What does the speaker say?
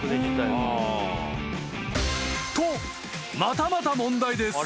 ［とまたまた問題です］